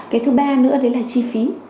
cái thứ ba nữa đấy là chi phí